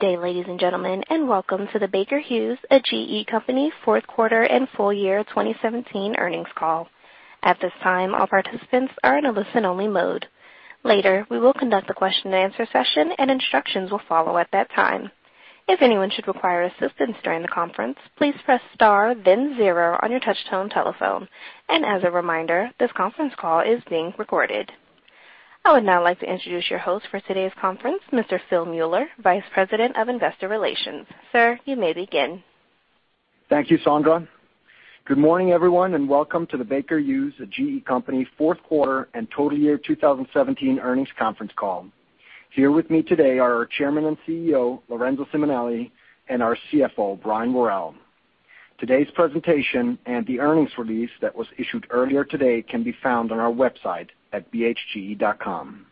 Good day, ladies and gentlemen, welcome to the Baker Hughes, a GE company, fourth quarter and full year 2017 earnings call. At this time, all participants are in a listen-only mode. Later, we will conduct a question and answer session and instructions will follow at that time. If anyone should require assistance during the conference, please press star then zero on your touch-tone telephone. As a reminder, this conference call is being recorded. I would now like to introduce your host for today's conference, Mr. Phil Mueller, Vice President of Investor Relations. Sir, you may begin. Thank you, Sandra. Good morning, everyone, welcome to the Baker Hughes, a GE company, fourth quarter and total year 2017 earnings conference call. Here with me today are our Chairman and CEO, Lorenzo Simonelli, and our CFO, Brian Worrell. Today's presentation and the earnings release that was issued earlier today can be found on our website at bhge.com.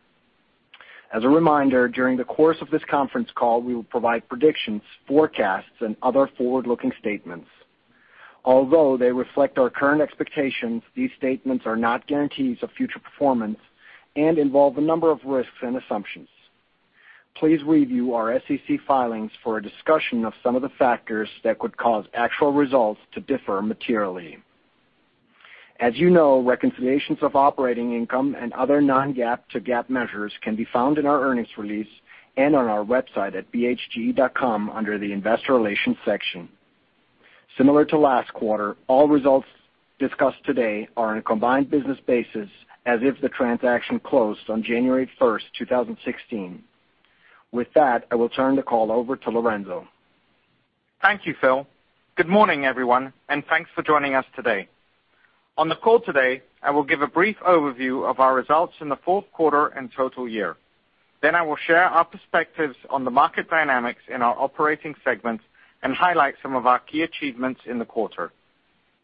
As a reminder, during the course of this conference call, we will provide predictions, forecasts, and other forward-looking statements. Although they reflect our current expectations, these statements are not guarantees of future performance and involve a number of risks and assumptions. Please review our SEC filings for a discussion of some of the factors that could cause actual results to differ materially. As you know, reconciliations of operating income and other non-GAAP to GAAP measures can be found in our earnings release and on our website at bhge.com under the investor relations section. Similar to last quarter, all results discussed today are on a combined business basis as if the transaction closed on January 1st, 2016. With that, I will turn the call over to Lorenzo. Thank you, Phil. Good morning, everyone, thanks for joining us today. On the call today, I will give a brief overview of our results in the fourth quarter and total year. I will share our perspectives on the market dynamics in our operating segments and highlight some of our key achievements in the quarter.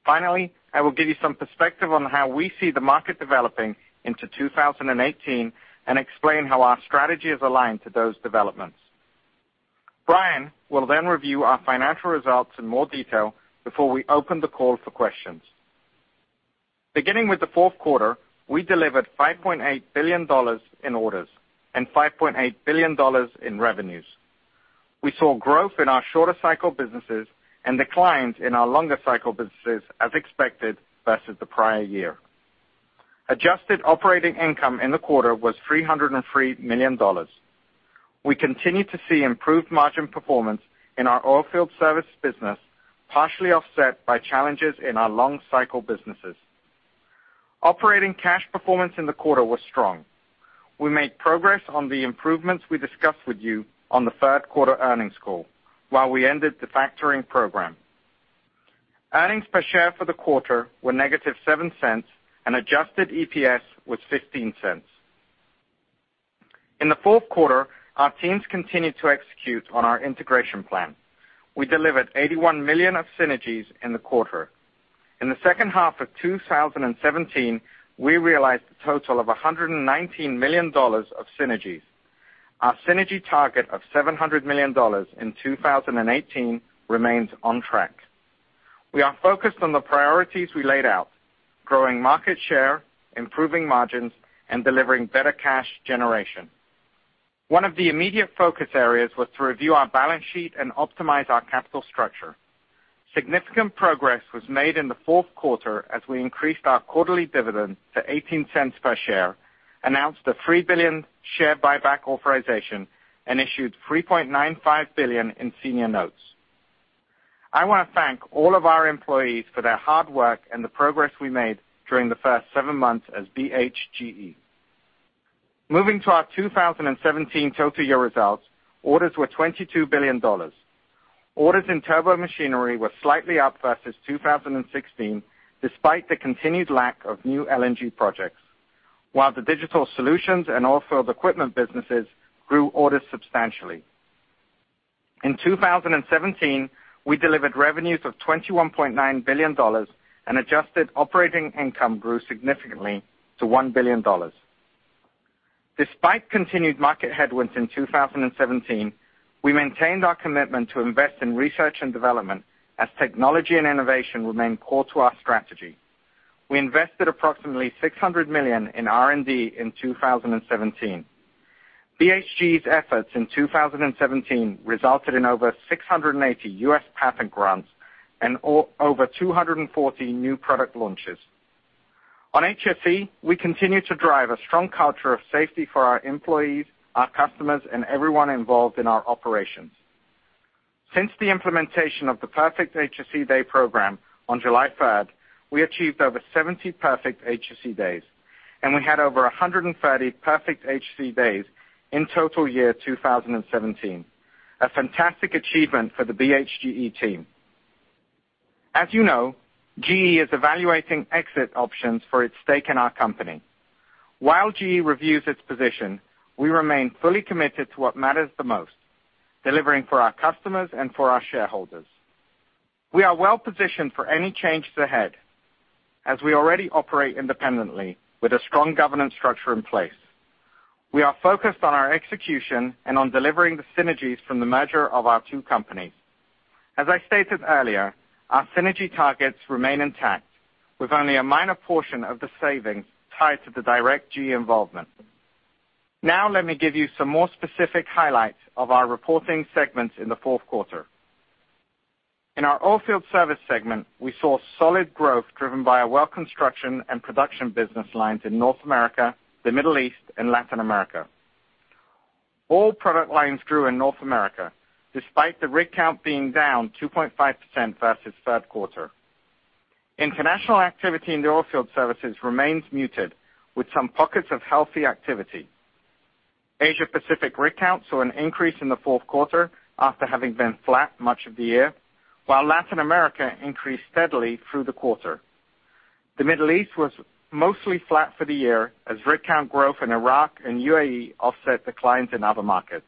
Finally, I will give you some perspective on how we see the market developing into 2018 and explain how our strategy is aligned to those developments. Brian will then review our financial results in more detail before we open the call for questions. Beginning with the fourth quarter, we delivered $5.8 billion in orders and $5.8 billion in revenues. We saw growth in our shorter cycle businesses and declines in our longer cycle businesses as expected versus the prior year. Adjusted operating income in the quarter was $303 million. We continue to see improved margin performance in our Oilfield Services business, partially offset by challenges in our long cycle businesses. Operating cash performance in the quarter was strong. We made progress on the improvements we discussed with you on the third quarter earnings call, while we ended the factoring program. Earnings per share for the quarter were -$0.07, and adjusted EPS was $0.15. In the fourth quarter, our teams continued to execute on our integration plan. We delivered $81 million of synergies in the quarter. In the second half of 2017, we realized a total of $119 million of synergies. Our synergy target of $700 million in 2018 remains on track. We are focused on the priorities we laid out, growing market share, improving margins, and delivering better cash generation. One of the immediate focus areas was to review our balance sheet and optimize our capital structure. Significant progress was made in the fourth quarter as we increased our quarterly dividend to $0.18 per share, announced a $3 billion share buyback authorization, and issued $3.95 billion in senior notes. I want to thank all of our employees for their hard work and the progress we made during the first seven months as BHGE. Moving to our 2017 total year results, orders were $22 billion. Orders in Turbomachinery were slightly up versus 2016, despite the continued lack of new LNG projects, while the digital solutions and oilfield equipment businesses grew orders substantially. In 2017, we delivered revenues of $21.9 billion, and adjusted operating income grew significantly to $1 billion. Despite continued market headwinds in 2017, we maintained our commitment to invest in research and development as technology and innovation remain core to our strategy. We invested approximately $600 million in R&D in 2017. BHGE's efforts in 2017 resulted in over 680 U.S. patent grants and over 240 new product launches. On HSE, we continue to drive a strong culture of safety for our employees, our customers, and everyone involved in our operations. Since the implementation of the Perfect HSE Day program on July 3rd, we achieved over 70 Perfect HSE Days, and we had over 130 Perfect HSE Days in total year 2017. A fantastic achievement for the BHGE team. As you know, GE is evaluating exit options for its stake in our company. While GE reviews its position, we remain fully committed to what matters the most, delivering for our customers and for our shareholders. We are well positioned for any changes ahead, as we already operate independently with a strong governance structure in place. We are focused on our execution and on delivering the synergies from the merger of our two companies. As I stated earlier, our synergy targets remain intact, with only a minor portion of the savings tied to the direct GE involvement. Now let me give you some more specific highlights of our reporting segments in the fourth quarter. In our Oilfield Services segment, we saw solid growth driven by our well construction and production business lines in North America, the Middle East, and Latin America. All product lines grew in North America despite the rig count being down 2.5% versus third quarter. International activity in the Oilfield Services remains muted, with some pockets of healthy activity. Asia Pacific rig counts saw an increase in the fourth quarter after having been flat much of the year, while Latin America increased steadily through the quarter. The Middle East was mostly flat for the year as rig count growth in Iraq and U.A.E. offset declines in other markets.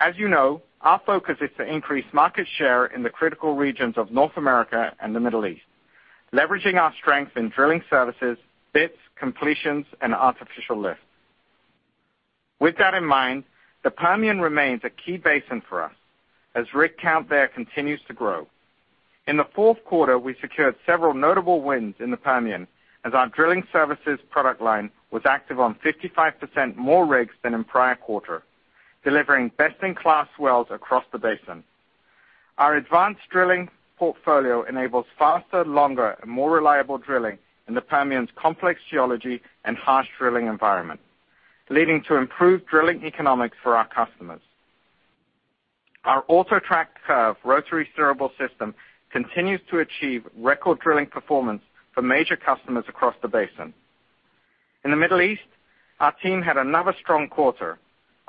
As you know, our focus is to increase market share in the critical regions of North America and the Middle East, leveraging our strength in drilling services, bits, completions, and artificial lift. With that in mind, the Permian remains a key basin for us as rig count there continues to grow. In the fourth quarter, we secured several notable wins in the Permian as our drilling services product line was active on 55% more rigs than in prior quarter, delivering best-in-class wells across the basin. Our advanced drilling portfolio enables faster, longer, and more reliable drilling in the Permian's complex geology and harsh drilling environment, leading to improved drilling economics for our customers. Our AutoTrak Curve rotary steerable system continues to achieve record drilling performance for major customers across the basin. In the Middle East, our team had another strong quarter.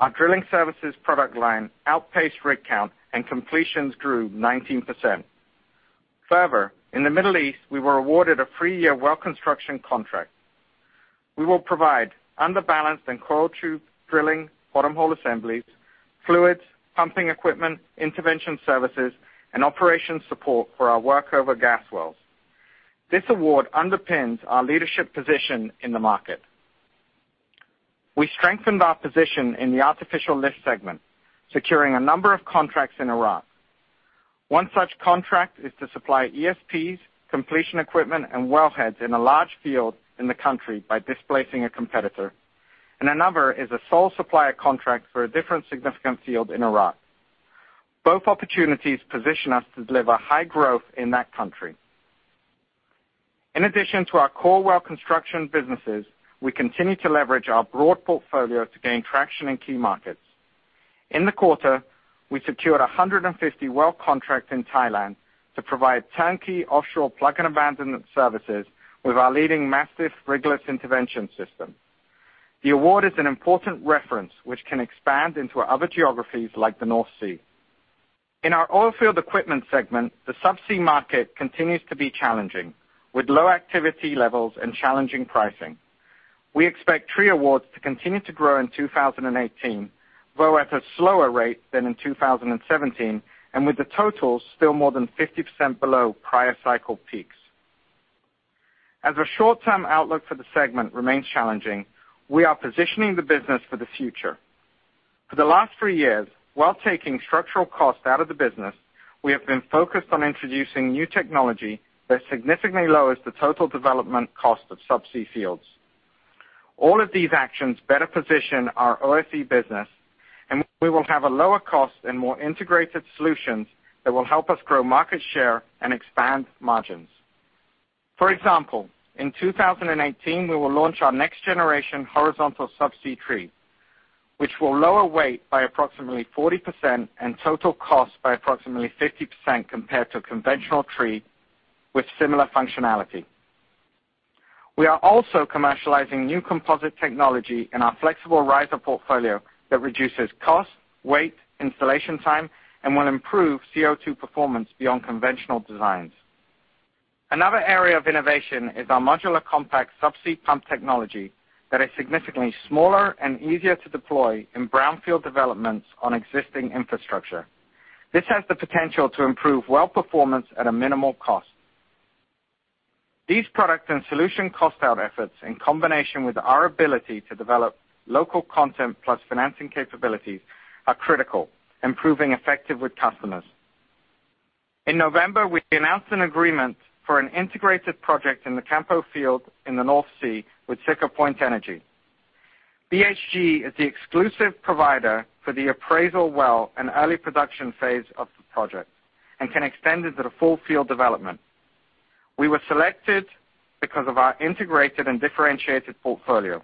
Our drilling services product line outpaced rig count, and completions grew 19%. Further, in the Middle East, we were awarded a three-year well construction contract. We will provide underbalanced and coiled tubing drilling bottom hole assemblies, fluids, pumping equipment, intervention services, and operation support for our workover gas wells. This award underpins our leadership position in the market. We strengthened our position in the artificial lift segment, securing a number of contracts in Iraq. One such contract is to supply ESPs, completion equipment, and wellheads in a large field in the country by displacing a competitor. Another is a sole supplier contract for a different significant field in Iraq. Both opportunities position us to deliver high growth in that country. In addition to our core well construction businesses, we continue to leverage our broad portfolio to gain traction in key markets. In the quarter, we secured 150 well contracts in Thailand to provide turnkey offshore plug and abandonment services with our leading Mastiff rigless intervention system. The award is an important reference which can expand into other geographies like the North Sea. In our Oilfield Equipment segment, the subsea market continues to be challenging, with low activity levels and challenging pricing. We expect tree awards to continue to grow in 2018, though at a slower rate than in 2017, with the totals still more than 50% below prior cycle peaks. As the short-term outlook for the segment remains challenging, we are positioning the business for the future. For the last three years, while taking structural costs out of the business, we have been focused on introducing new technology that significantly lowers the total development cost of subsea fields. All of these actions better position our OFE business. We will have a lower cost and more integrated solutions that will help us grow market share and expand margins. For example, in 2018, we will launch our next-generation horizontal subsea tree, which will lower weight by approximately 40% and total cost by approximately 50% compared to a conventional tree with similar functionality. We are also commercializing new composite technology in our flexible riser portfolio that reduces cost, weight, installation time, and will improve CO2 performance beyond conventional designs. Another area of innovation is our modular, compact subsea pump technology that is significantly smaller and easier to deploy in brownfield developments on existing infrastructure. This has the potential to improve well performance at a minimal cost. These product and solution cost out efforts, in combination with our ability to develop local content plus financing capabilities, are critical, improving effectiveness with customers. In November, we announced an agreement for an integrated project in the Cambo Field in the North Sea with Siccar Point Energy. BHGE is the exclusive provider for the appraisal well and early production phase of the project and can extend into the full field development. We were selected because of our integrated and differentiated portfolio,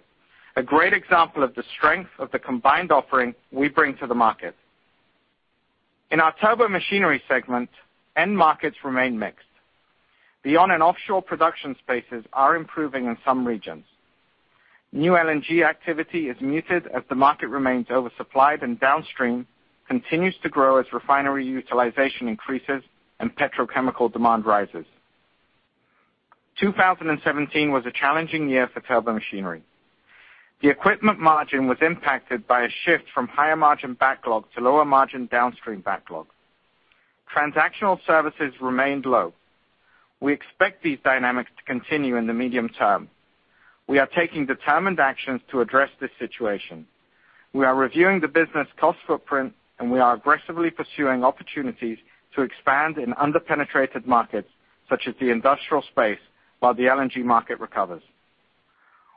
a great example of the strength of the combined offering we bring to the market. In our Turbomachinery segment, end markets remain mixed. The on and offshore production spaces are improving in some regions. New LNG activity is muted as the market remains oversupplied and downstream, continues to grow as refinery utilization increases and petrochemical demand rises. 2017 was a challenging year for Turbomachinery. The equipment margin was impacted by a shift from higher-margin backlog to lower-margin downstream backlog. Transactional services remained low. We expect these dynamics to continue in the medium term. We are taking determined actions to address this situation. We are reviewing the business cost footprint, and we are aggressively pursuing opportunities to expand in under-penetrated markets such as the industrial space while the LNG market recovers.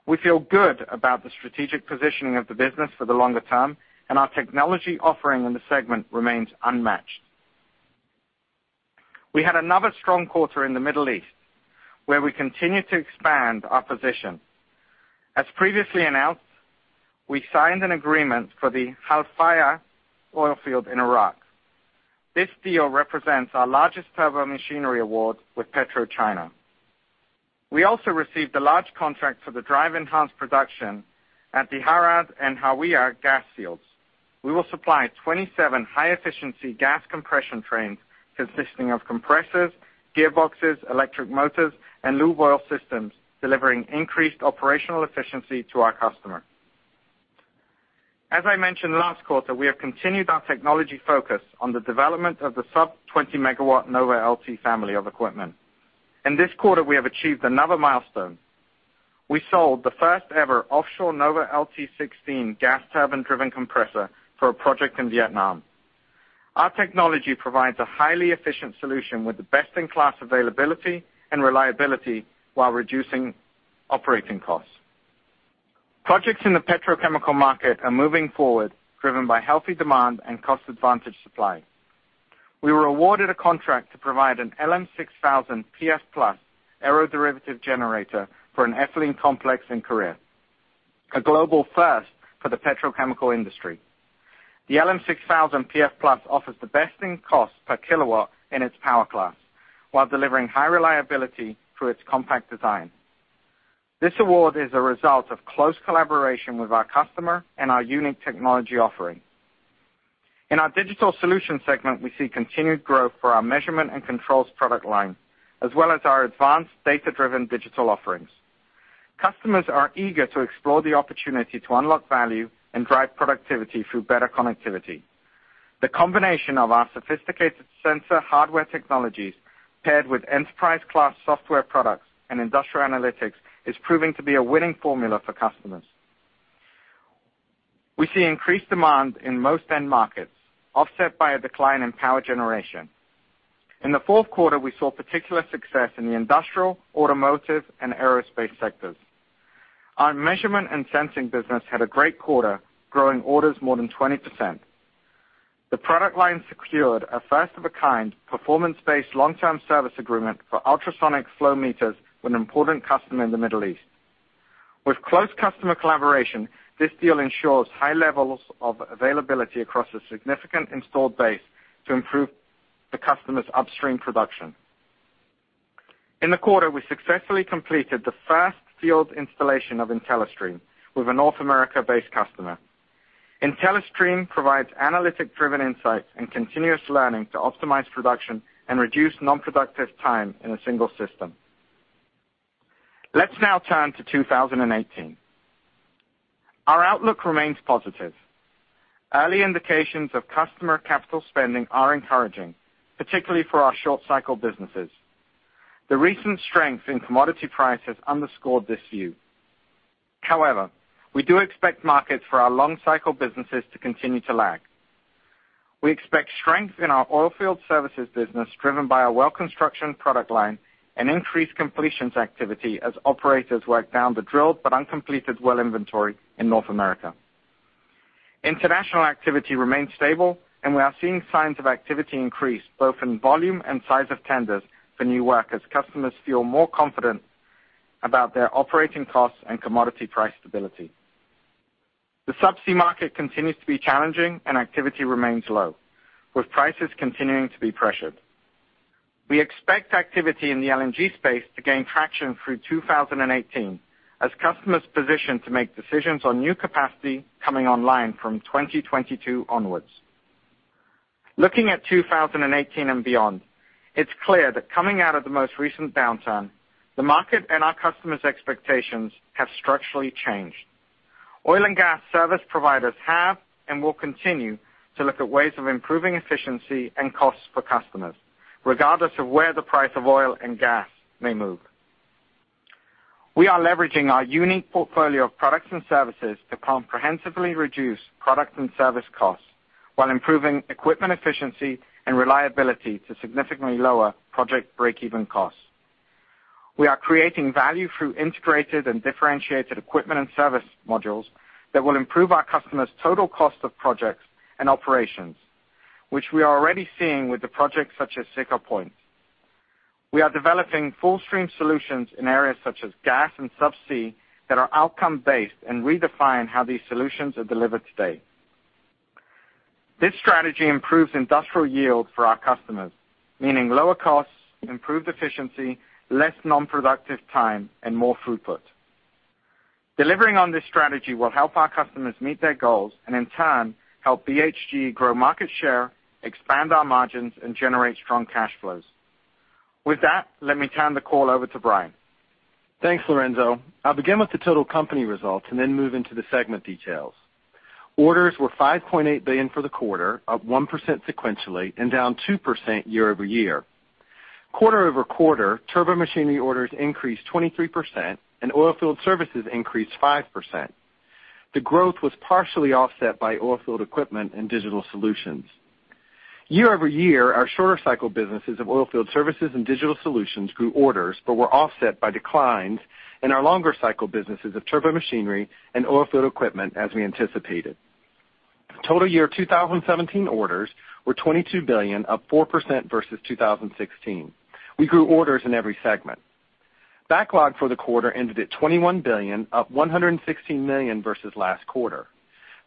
We feel good about the strategic positioning of the business for the longer term. Our technology offering in the segment remains unmatched. We had another strong quarter in the Middle East, where we continue to expand our position. As previously announced, we signed an agreement for the Halfaya oil field in Iraq. This deal represents our largest Turbomachinery award with PetroChina. We also received a large contract for the drive-enhanced production at the Haradh and Hawiyah gas fields. We will supply 27 high-efficiency gas compression trains consisting of compressors, gearboxes, electric motors, and lube oil systems, delivering increased operational efficiency to our customer. As I mentioned last quarter, we have continued our technology focus on the development of the sub 20-megawatt NovaLT family of equipment. In this quarter, we have achieved another milestone. We sold the first-ever offshore NovaLT16 gas turbine-driven compressor for a project in Vietnam. Our technology provides a highly efficient solution with the best-in-class availability and reliability while reducing operating costs. Projects in the petrochemical market are moving forward, driven by healthy demand and cost-advantaged supply. We were awarded a contract to provide an LM6000PF+ aeroderivative generator for an ethylene complex in Korea, a global first for the petrochemical industry. The LM6000PF+ offers the best in cost per kilowatt in its power class while delivering high reliability through its compact design. This award is a result of close collaboration with our customer and our unique technology offering. In our digital solutions segment, we see continued growth for our measurement and controls product line, as well as our advanced data-driven digital offerings. Customers are eager to explore the opportunity to unlock value and drive productivity through better connectivity. The combination of our sophisticated sensor hardware technologies paired with enterprise-class software products and industrial analytics is proving to be a winning formula for customers. We see increased demand in most end markets offset by a decline in power generation. In the fourth quarter, we saw particular success in the industrial, automotive, and aerospace sectors. Our measurement and sensing business had a great quarter, growing orders more than 20%. The product line secured a first-of-a-kind, performance-based long-term service agreement for ultrasonic flow meters with an important customer in the Middle East. With close customer collaboration, this deal ensures high levels of availability across a significant installed base to improve the customer's upstream production. In the quarter, we successfully completed the first field installation of IntelliStream with a North America-based customer. IntelliStream provides analytic-driven insights and continuous learning to optimize production and reduce non-productive time in a single system. Let's now turn to 2018. Our outlook remains positive. Early indications of customer capital spending are encouraging, particularly for our short-cycle businesses. The recent strength in commodity prices underscored this view. However, we do expect markets for our long-cycle businesses to continue to lag. We expect strength in our Oilfield Services business driven by our well construction product line and increased completions activity as operators work down the drilled but uncompleted well inventory in North America. International activity remains stable, and we are seeing signs of activity increase both in volume and size of tenders for new work as customers feel more confident about their operating costs and commodity price stability. The subsea market continues to be challenging, and activity remains low, with prices continuing to be pressured. We expect activity in the LNG space to gain traction through 2018 as customers position to make decisions on new capacity coming online from 2022 onwards. Looking at 2018 and beyond, it's clear that coming out of the most recent downturn, the market and our customers' expectations have structurally changed. Oil and gas service providers have and will continue to look at ways of improving efficiency and costs for customers, regardless of where the price of oil and gas may move. We are leveraging our unique portfolio of products and services to comprehensively reduce product and service costs while improving equipment efficiency and reliability to significantly lower project break-even costs. We are creating value through integrated and differentiated equipment and service modules that will improve our customers' total cost of projects and operations, which we are already seeing with the projects such as Siccar Point. We are developing Fullstream solutions in areas such as gas and subsea that are outcome-based and redefine how these solutions are delivered today. This strategy improves industrial yield for our customers, meaning lower costs, improved efficiency, less non-productive time, and more throughput. Delivering on this strategy will help our customers meet their goals and, in turn, help BHGE grow market share, expand our margins, and generate strong cash flows. With that, let me turn the call over to Brian. Thanks, Lorenzo. I'll begin with the total company results and then move into the segment details. Orders were $5.8 billion for the quarter, up 1% sequentially and down 2% year-over-year. Quarter-over-quarter, Turbomachinery orders increased 23% and Oilfield Services increased 5%. The growth was partially offset by Oilfield Equipment and Digital Solutions. Year-over-year, our shorter cycle businesses of Oilfield Services and Digital Solutions grew orders but were offset by declines in our longer cycle businesses of Turbomachinery and Oilfield Equipment, as we anticipated. Total year 2017 orders were $22 billion, up 4% versus 2016. We grew orders in every segment. Backlog for the quarter ended at $21 billion, up $116 million versus last quarter.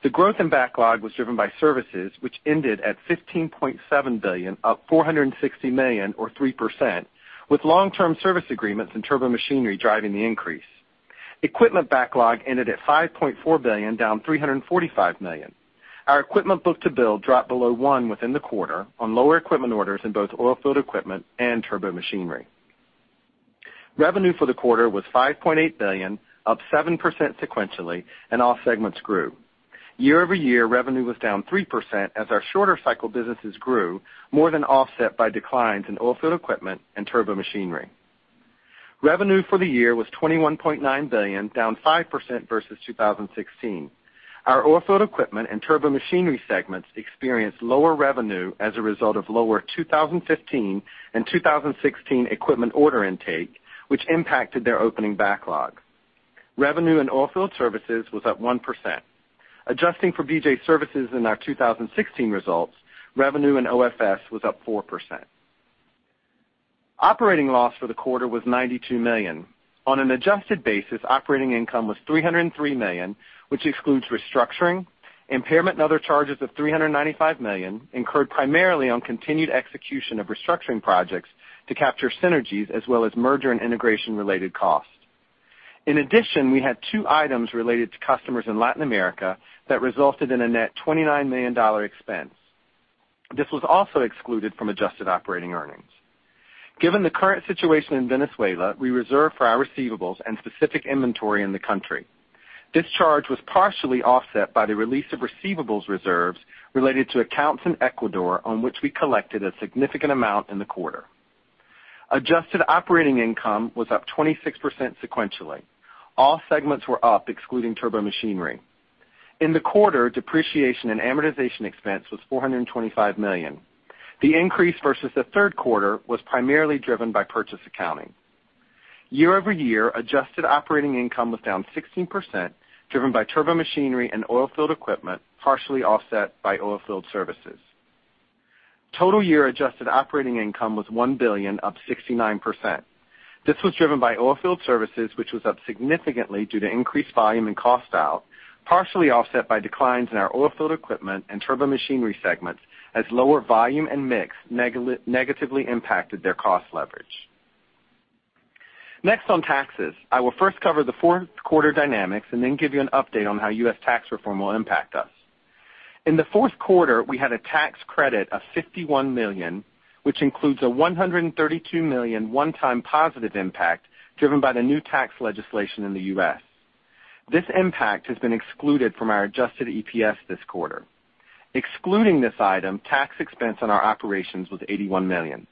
The growth in backlog was driven by services, which ended at $15.7 billion, up $460 million or 3%, with long-term service agreements and Turbomachinery driving the increase. Equipment backlog ended at $5.4 billion, down $345 million. Our equipment book-to-bill dropped below one within the quarter on lower equipment orders in both Oilfield Equipment and Turbomachinery. Revenue for the quarter was $5.8 billion, up 7% sequentially, and all segments grew. Year-over-year, revenue was down 3% as our shorter cycle businesses grew more than offset by declines in Oilfield Equipment and Turbomachinery. Revenue for the year was $21.9 billion, down 5% versus 2016. Our Oilfield Equipment and Turbomachinery segments experienced lower revenue as a result of lower 2015 and 2016 equipment order intake, which impacted their opening backlog. Revenue in Oilfield Services was up 1%. Adjusting for BJ Services in our 2016 results, revenue in OFS was up 4%. Operating loss for the quarter was $92 million. On an adjusted basis, operating income was $303 million, which excludes restructuring, impairment and other charges of $395 million, incurred primarily on continued execution of restructuring projects to capture synergies as well as merger and integration related costs. In addition, we had two items related to customers in Latin America that resulted in a net $29 million expense. This was also excluded from adjusted operating earnings. Given the current situation in Venezuela, we reserved for our receivables and specific inventory in the country. This charge was partially offset by the release of receivables reserves related to accounts in Ecuador on which we collected a significant amount in the quarter. Adjusted operating income was up 26% sequentially. All segments were up, excluding Turbomachinery. In the quarter, Depreciation and Amortization expense was $425 million. The increase versus the third quarter was primarily driven by purchase accounting. Year-over-year, adjusted operating income was down 16%, driven by Turbomachinery and Oilfield Equipment, partially offset by Oilfield Services. Total year adjusted operating income was $1 billion, up 69%. This was driven by Oilfield Services, which was up significantly due to increased volume and cost out, partially offset by declines in our Oilfield Equipment and Turbomachinery segments as lower volume and mix negatively impacted their cost leverage. Next on taxes. I will first cover the fourth quarter dynamics and then give you an update on how U.S. tax reform will impact us. In the fourth quarter, we had a tax credit of $51 million, which includes a $132 million one-time positive impact driven by the new tax legislation in the U.S. This impact has been excluded from our adjusted EPS this quarter. Excluding this item, tax expense on our operations was $81 million.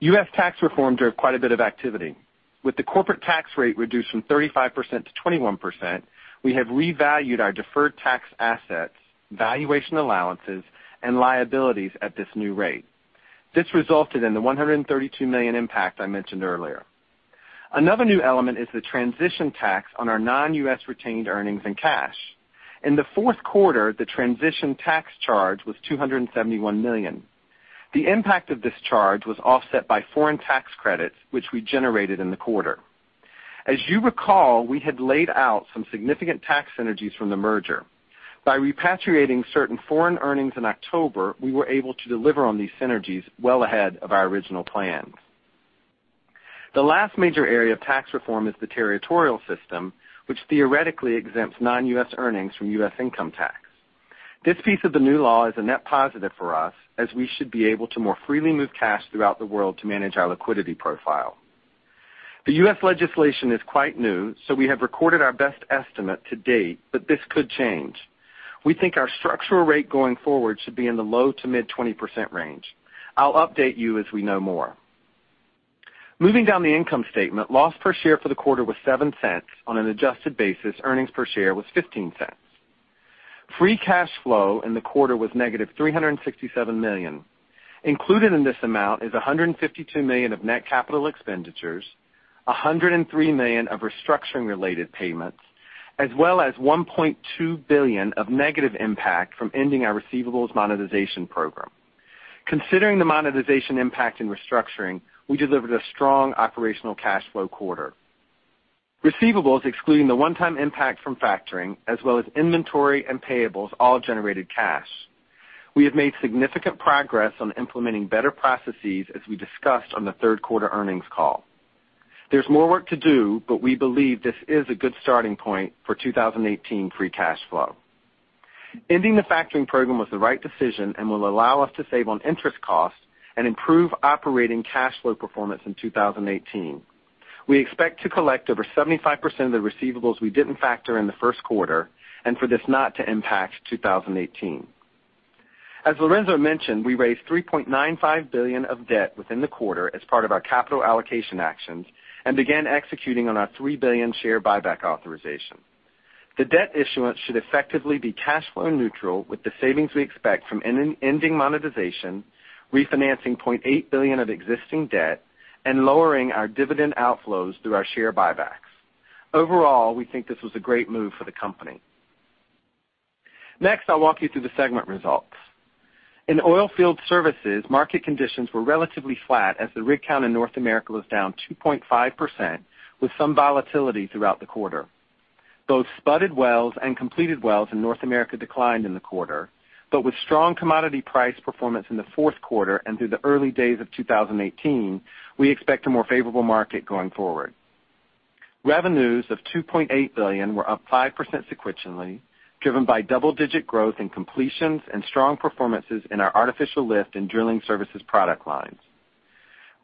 U.S. tax reform drove quite a bit of activity. With the corporate tax rate reduced from 35%-21%, we have revalued our deferred tax assets, valuation allowances, and liabilities at this new rate. This resulted in the $132 million impact I mentioned earlier. Another new element is the transition tax on our non-U.S. retained earnings and cash. In the fourth quarter, the transition tax charge was $271 million. The impact of this charge was offset by foreign tax credits, which we generated in the quarter. As you recall, we had laid out some significant tax synergies from the merger. By repatriating certain foreign earnings in October, we were able to deliver on these synergies well ahead of our original plans. The last major area of tax reform is the territorial system, which theoretically exempts non-U.S. earnings from U.S. income tax. This piece of the new law is a net positive for us, as we should be able to more freely move cash throughout the world to manage our liquidity profile. The U.S. legislation is quite new, so we have recorded our best estimate to date, but this could change. We think our structural rate going forward should be in the low to mid 20% range. I'll update you as we know more. Moving down the income statement, loss per share for the quarter was $0.07. On an adjusted basis, earnings per share was $0.15. Free cash flow in the quarter was negative $367 million. Included in this amount is $152 million of net capital expenditures, $103 million of restructuring related payments, as well as $1.2 billion of negative impact from ending our receivables monetization program. Considering the monetization impact in restructuring, we delivered a strong operational cash flow quarter. Receivables, excluding the one-time impact from factoring, as well as inventory and payables, all generated cash. We have made significant progress on implementing better processes as we discussed on the third quarter earnings call. There's more work to do, but we believe this is a good starting point for 2018 free cash flow. Ending the factoring program was the right decision and will allow us to save on interest costs and improve operating cash flow performance in 2018. We expect to collect over 75% of the receivables we didn't factor in the first quarter, and for this not to impact 2018. As Lorenzo mentioned, we raised $3.95 billion of debt within the quarter as part of our capital allocation actions and began executing on our $3 billion share buyback authorization. The debt issuance should effectively be cash flow neutral with the savings we expect from ending monetization, refinancing $0.8 billion of existing debt, and lowering our dividend outflows through our share buybacks. Overall, we think this was a great move for the company. Next, I'll walk you through the segment results. In Oilfield Services, market conditions were relatively flat as the rig count in North America was down 2.5% with some volatility throughout the quarter. Both spudded wells and completed wells in North America declined in the quarter. With strong commodity price performance in the fourth quarter and through the early days of 2018, we expect a more favorable market going forward. Revenues of $2.8 billion were up 5% sequentially, driven by double-digit growth in completions and strong performances in our artificial lift and drilling services product lines.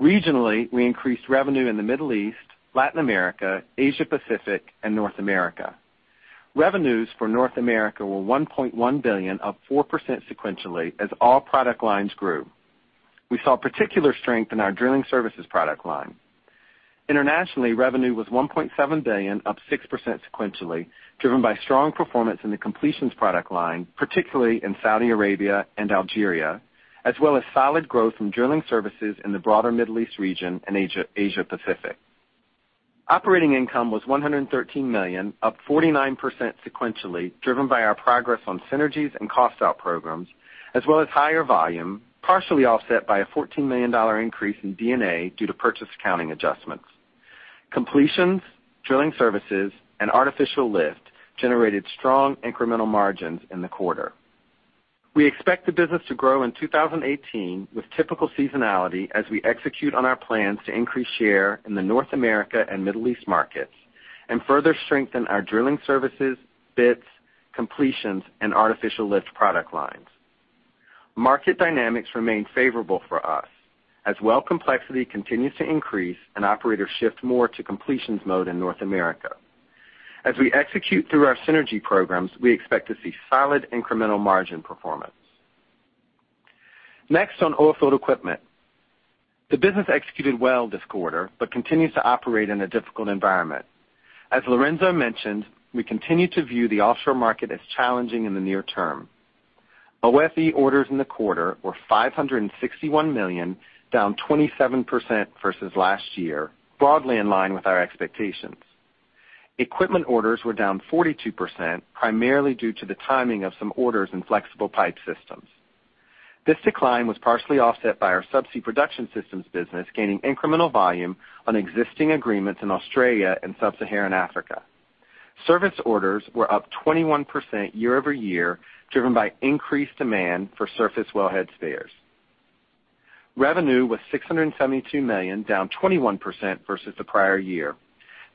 Regionally, we increased revenue in the Middle East, Latin America, Asia-Pacific, and North America. Revenues for North America were $1.1 billion, up 4% sequentially, as all product lines grew. We saw particular strength in our drilling services product line. Internationally, revenue was $1.7 billion, up 6% sequentially, driven by strong performance in the completions product line, particularly in Saudi Arabia and Algeria, as well as solid growth from drilling services in the broader Middle East region and Asia-Pacific. Operating income was $113 million, up 49% sequentially, driven by our progress on synergies and cost out programs, as well as higher volume, partially offset by a $14 million increase in D&A due to purchase accounting adjustments. Completions, drilling services, and artificial lift generated strong incremental margins in the quarter. We expect the business to grow in 2018 with typical seasonality as we execute on our plans to increase share in the North America and Middle East markets and further strengthen our drilling services, bits, completions, and artificial lift product lines. Market dynamics remain favorable for us as well complexity continues to increase and operators shift more to completions mode in North America. As we execute through our synergy programs, we expect to see solid incremental margin performance. Next, on Oilfield Equipment. The business executed well this quarter, but continues to operate in a difficult environment. As Lorenzo mentioned, we continue to view the offshore market as challenging in the near term. OFE orders in the quarter were $561 million, down 27% versus last year, broadly in line with our expectations. Equipment orders were down 42%, primarily due to the timing of some orders in flexible pipe systems. This decline was partially offset by our subsea production systems business gaining incremental volume on existing agreements in Australia and Sub-Saharan Africa. Service orders were up 21% year-over-year, driven by increased demand for surface wellhead spares. Revenue was $672 million, down 21% versus the prior year.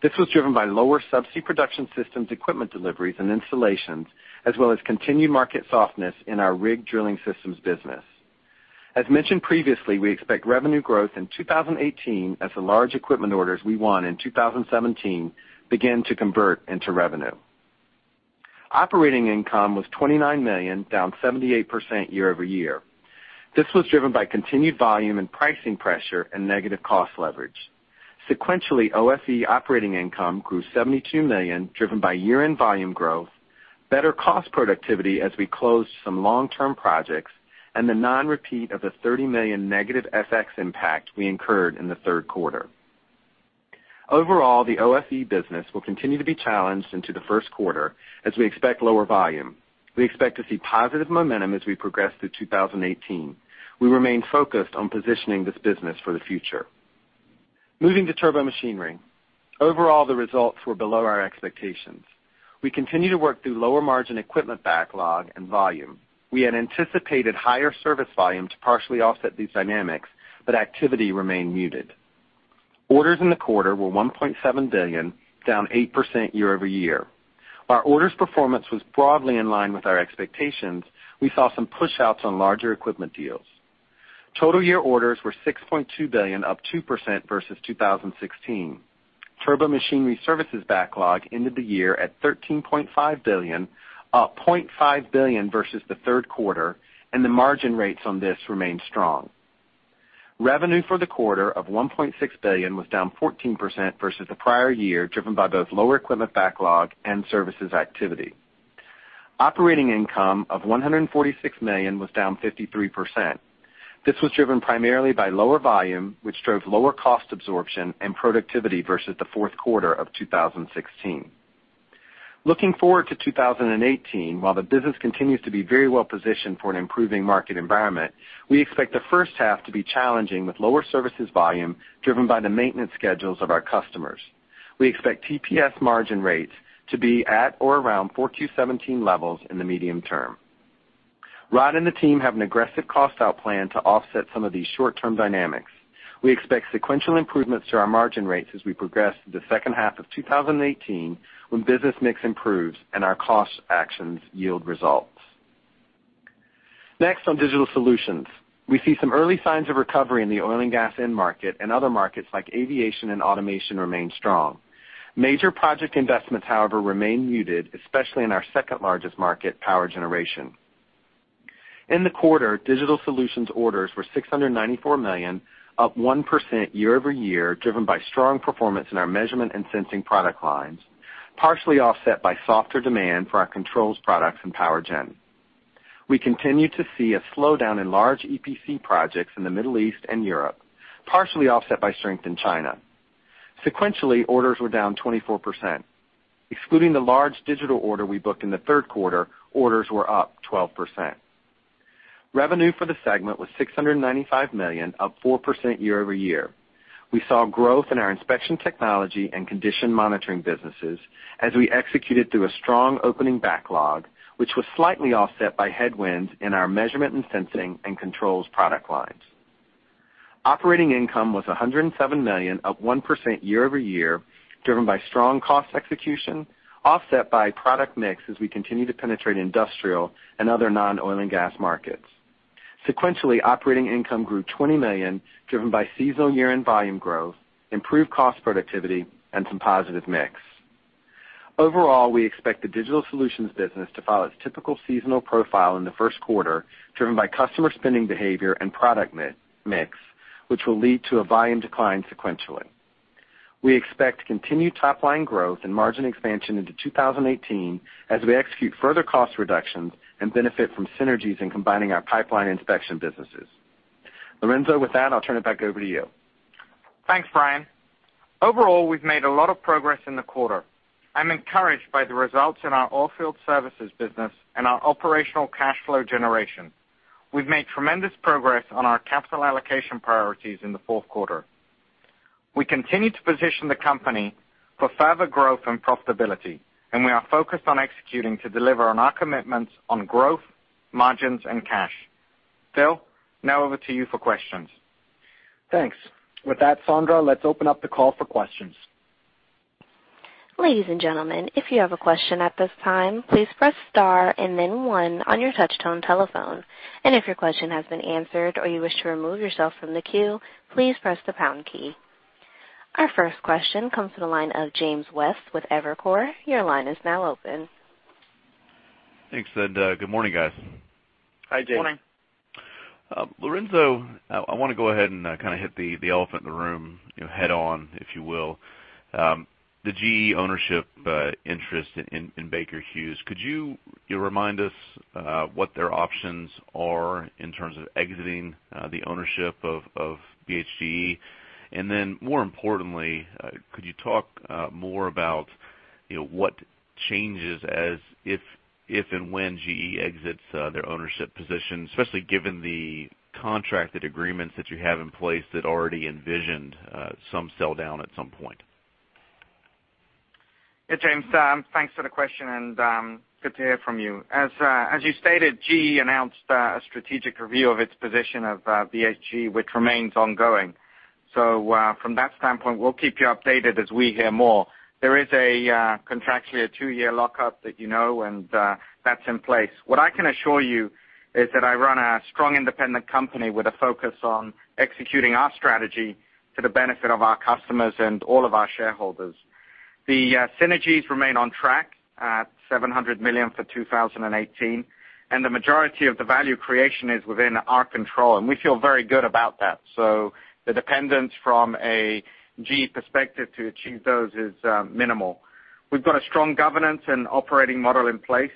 This was driven by lower subsea production systems equipment deliveries and installations, as well as continued market softness in our rig drilling systems business. As mentioned previously, we expect revenue growth in 2018 as the large equipment orders we won in 2017 begin to convert into revenue. Operating income was $29 million, down 78% year-over-year. This was driven by continued volume and pricing pressure and negative cost leverage. Sequentially, OFE operating income grew $72 million, driven by year-end volume growth, better cost productivity as we closed some long-term projects, and the non-repeat of the $30 million negative FX impact we incurred in the third quarter. Overall, the OFE business will continue to be challenged into the first quarter as we expect lower volume. We expect to see positive momentum as we progress through 2018. We remain focused on positioning this business for the future. Moving to Turbomachinery. Overall, the results were below our expectations. We continue to work through lower-margin equipment backlog and volume. We had anticipated higher service volume to partially offset these dynamics, but activity remained muted. Orders in the quarter were $1.7 billion, down 8% year-over-year. Our orders performance was broadly in line with our expectations. We saw some push-outs on larger equipment deals. Total year orders were $6.2 billion, up 2% versus 2016. Turbomachinery services backlog ended the year at $13.5 billion, up $0.5 billion versus the third quarter, and the margin rates on this remained strong. Revenue for the quarter of $1.6 billion was down 14% versus the prior year, driven by both lower equipment backlog and services activity. Operating income of $146 million was down 53%. This was driven primarily by lower volume, which drove lower cost absorption and productivity versus the fourth quarter of 2016. Looking forward to 2018, while the business continues to be very well positioned for an improving market environment, we expect the first half to be challenging with lower services volume driven by the maintenance schedules of our customers. We expect TPS margin rates to be at or around 4Q17 levels in the medium term. Rod and the team have an aggressive cost-out plan to offset some of these short-term dynamics. We expect sequential improvements to our margin rates as we progress through the second half of 2018, when business mix improves and our cost actions yield results. Next, on digital solutions. We see some early signs of recovery in the oil and gas end market, and other markets like aviation and automation remain strong. Major project investments, however, remain muted, especially in our second largest market, power generation. In the quarter, digital solutions orders were $694 million, up 1% year-over-year, driven by strong performance in our measurement and sensing product lines, partially offset by softer demand for our controls products in power gen. We continue to see a slowdown in large EPC projects in the Middle East and Europe, partially offset by strength in China. Sequentially, orders were down 24%. Excluding the large digital order we booked in the third quarter, orders were up 12%. Revenue for the segment was $695 million, up 4% year-over-year. We saw growth in our inspection technology and condition monitoring businesses as we executed through a strong opening backlog, which was slightly offset by headwinds in our measurement and sensing and controls product lines. Operating income was $107 million, up 1% year-over-year, driven by strong cost execution, offset by product mix as we continue to penetrate industrial and other non-oil and gas markets. Sequentially, operating income grew $20 million, driven by seasonal year-end volume growth, improved cost productivity, and some positive mix. Overall, we expect the digital solutions business to follow its typical seasonal profile in the first quarter, driven by customer spending behavior and product mix, which will lead to a volume decline sequentially. We expect continued top-line growth and margin expansion into 2018 as we execute further cost reductions and benefit from synergies in combining our pipeline inspection businesses. Lorenzo, with that, I'll turn it back over to you. Thanks, Brian. Overall, we've made a lot of progress in the quarter. I'm encouraged by the results in our oilfield services business and our operational cash flow generation. We've made tremendous progress on our capital allocation priorities in the fourth quarter. We continue to position the company for further growth and profitability, and we are focused on executing to deliver on our commitments on growth, margins, and cash. Phil, now over to you for questions. Thanks. With that, Sandra, let's open up the call for questions. Ladies and gentlemen, if you have a question at this time, please press star and then one on your touch tone telephone. If your question has been answered or you wish to remove yourself from the queue, please press the pound key. Our first question comes to the line of James West with Evercore. Your line is now open. Thanks. Good morning, guys. Hi, James. Morning. Lorenzo, I want to go ahead and hit the elephant in the room head on, if you will. The GE ownership interest in Baker Hughes, could you remind us what their options are in terms of exiting the ownership of BHGE? Then more importantly, could you talk more about what changes if and when GE exits their ownership position, especially given the contracted agreements that you have in place that already envisioned some sell-down at some point? Yeah, James. Thanks for the question and good to hear from you. As you stated, GE announced a strategic review of its position of BHGE, which remains ongoing. From that standpoint, we'll keep you updated as we hear more. There is contractually a two-year lockup that you know, that's in place. What I can assure you is that I run a strong independent company with a focus on executing our strategy to the benefit of our customers and all of our shareholders. The synergies remain on track at $700 million for 2018, the majority of the value creation is within our control, and we feel very good about that. The dependence from a GE perspective to achieve those is minimal. We've got a strong governance and operating model in place,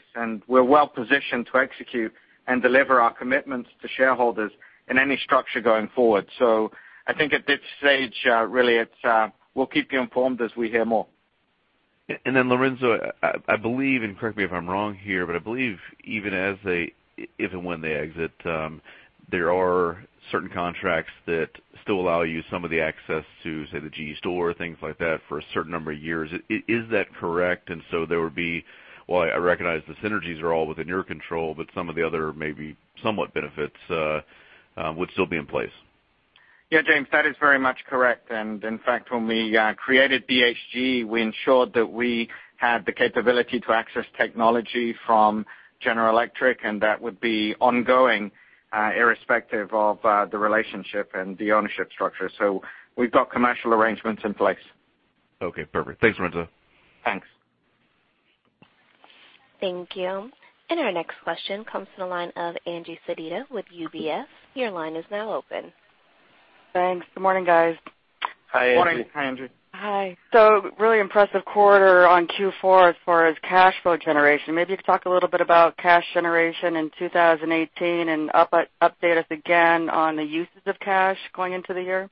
we're well positioned to execute and deliver our commitments to shareholders in any structure going forward. I think at this stage, really, we'll keep you informed as we hear more. Lorenzo, correct me if I'm wrong here, but I believe even if and when they exit, there are certain contracts that still allow you some of the access to, say, the GE Store, things like that, for a certain number of years. Is that correct? There would be, while I recognize the synergies are all within your control, but some of the other, maybe somewhat benefits would still be in place. Yeah, James, that is very much correct. In fact, when we created BHGE, we ensured that we had the capability to access technology from General Electric, and that would be ongoing, irrespective of the relationship and the ownership structure. We've got commercial arrangements in place. Okay, perfect. Thanks, Lorenzo. Thanks. Thank you. Our next question comes to the line of Angeline Sedita with UBS. Your line is now open. Thanks. Good morning, guys. Hi, Angie. Morning. Hi, Angie. Hi. Really impressive quarter on Q4 as far as cash flow generation. Maybe you could talk a little bit about cash generation in 2018 and update us again on the uses of cash going into the year.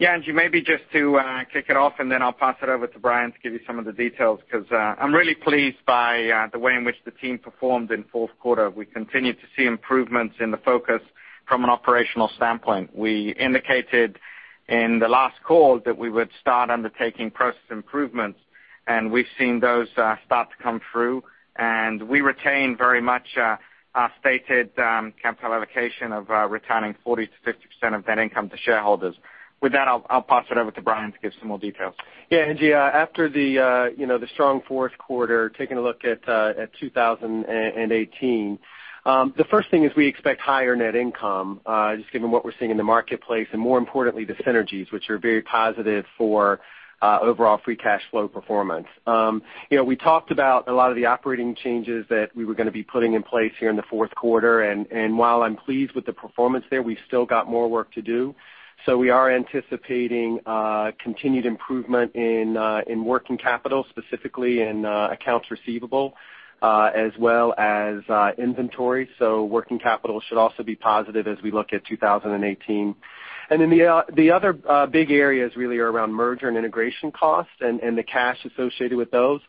Yeah, Angie, maybe just to kick it off, then I'll pass it over to Brian to give you some of the details, because I'm really pleased by the way in which the team performed in fourth quarter. We continue to see improvements in the focus from an operational standpoint. We indicated in the last call that we would start undertaking process improvements, and we've seen those start to come through. We retain very much our stated capital allocation of returning 40%-50% of net income to shareholders. With that, I'll pass it over to Brian to give some more details. Yeah, Angie, after the strong fourth quarter, taking a look at 2018. The first thing is, we expect higher net income, just given what we're seeing in the marketplace, more importantly, the synergies, which are very positive for overall free cash flow performance. We talked about a lot of the operating changes that we were going to be putting in place here in the fourth quarter, while I'm pleased with the performance there, we've still got more work to do. We are anticipating continued improvement in working capital, specifically in accounts receivable as well as inventory. Working capital should also be positive as we look at 2018. The other big areas really are around merger and integration costs and the cash associated with those.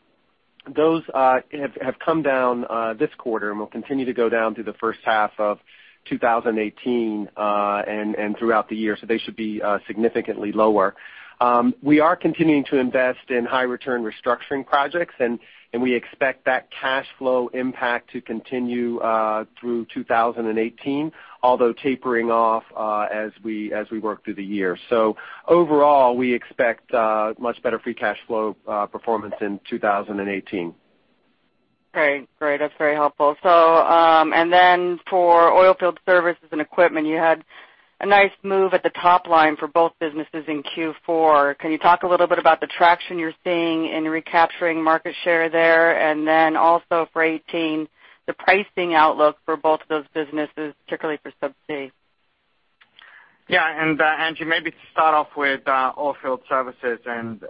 Those have come down this quarter and will continue to go down through the first half of 2018, throughout the year. They should be significantly lower. We are continuing to invest in high-return restructuring projects, and we expect that cash flow impact to continue through 2018, although tapering off as we work through the year. Overall, we expect much better free cash flow performance in 2018. Great. That's very helpful. For Oilfield Services and equipment, you had a nice move at the top line for both businesses in Q4. Can you talk a little bit about the traction you're seeing in recapturing market share there? Also for 2018, the pricing outlook for both of those businesses, particularly for Subsea. Angie, maybe to start off with Oilfield Services.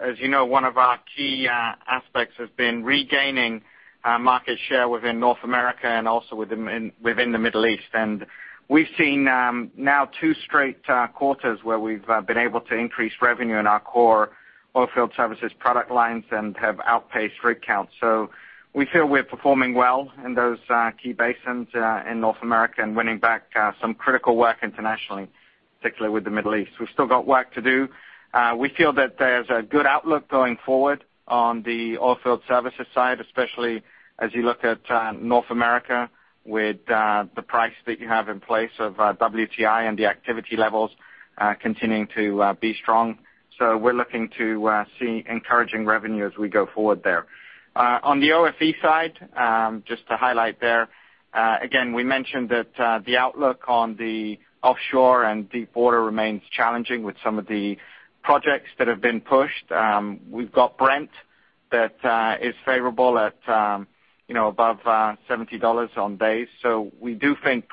As you know, one of our key aspects has been regaining market share within North America and also within the Middle East. We've seen now two straight quarters where we've been able to increase revenue in our core Oilfield Services product lines and have outpaced rig counts. We feel we're performing well in those key basins in North America and winning back some critical work internationally, particularly with the Middle East. We've still got work to do. We feel that there's a good outlook going forward on the Oilfield Services side, especially as you look at North America with the price that you have in place of WTI and the activity levels continuing to be strong. We're looking to see encouraging revenue as we go forward there. On the OFE side, just to highlight there, again, we mentioned that the outlook on the offshore and deepwater remains challenging with some of the projects that have been pushed. We've got Brent that is favorable at above $70 on days. We do think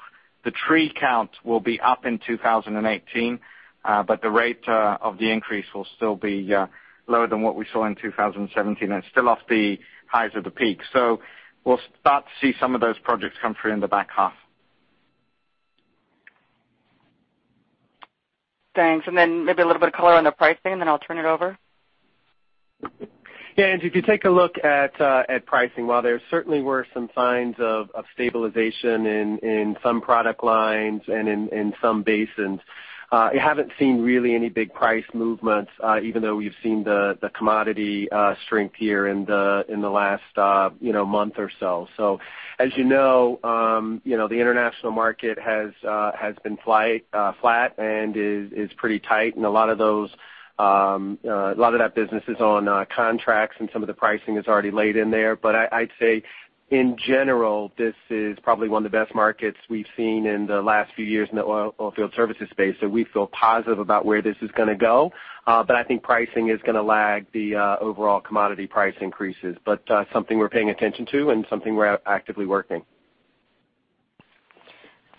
the rig count will be up in 2018. The rate of the increase will still be lower than what we saw in 2017 and still off the highs of the peak. We'll start to see some of those projects come through in the back half. Thanks. Maybe a little bit of color on the pricing, then I'll turn it over. Angie, if you take a look at pricing, while there certainly were some signs of stabilization in some product lines and in some basins, you haven't seen really any big price movements, even though we've seen the commodity strength here in the last month or so. As you know, the international market has been flat and is pretty tight. A lot of that business is on contracts and some of the pricing is already laid in there. I'd say in general, this is probably one of the best markets we've seen in the last few years in the Oilfield Services space. We feel positive about where this is going to go. I think pricing is going to lag the overall commodity price increases. Something we're paying attention to and something we're actively working.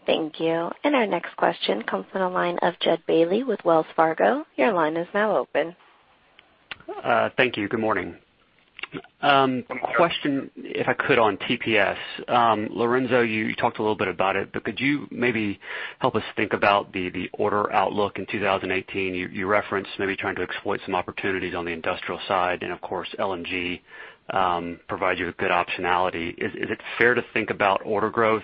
Thank you. Our next question comes from the line of Jud Bailey with Wells Fargo. Your line is now open. Thank you. Good morning. Question, if I could, on TPS. Lorenzo, you talked a little bit about it, but could you maybe help us think about the order outlook in 2018? You referenced maybe trying to exploit some opportunities on the industrial side, and of course, LNG provides you with good optionality. Is it fair to think about order growth,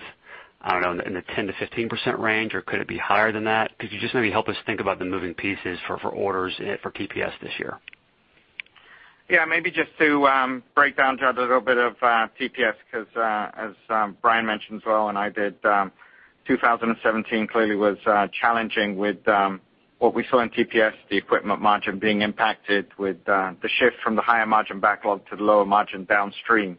I don't know, in the 10%-15% range, or could it be higher than that? Could you just maybe help us think about the moving pieces for orders for TPS this year? Maybe just to break down, Jud, a little bit of TPS, because as Brian mentioned as well, and I did, 2017 clearly was challenging with what we saw in TPS, the equipment margin being impacted with the shift from the higher margin backlog to the lower margin downstream,